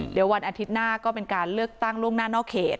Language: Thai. เดี๋ยววันอาทิตย์หน้าก็เป็นการเลือกตั้งล่วงหน้านอกเขต